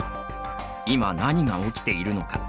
今、何が起きているのか。